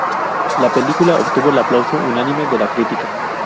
La película obtuvo el aplauso unánime de la crítica.